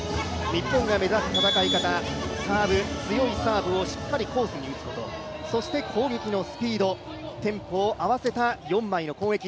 日本が目指す戦い方、サーブ、強いサーブをしっかりコースに打つことそして攻撃のスピード、テンポを合わせた四枚の攻撃。